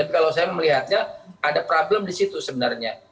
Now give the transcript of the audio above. kalau saya melihatnya ada problem di situ sebenarnya